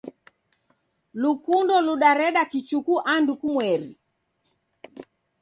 lukundo ludareda kichuku andu kumweri.